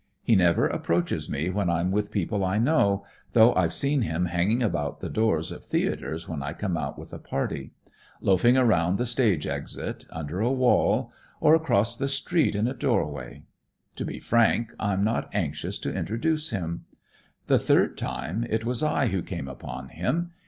He never approaches me when I'm with people I know, though I've seen him hanging about the doors of theatres when I come out with a party; loafing around the stage exit, under a wall; or across the street, in a doorway. To be frank, I'm not anxious to introduce him. The third time, it was I who came upon him.